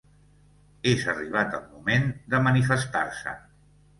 És arribat el moment de manifestar-se.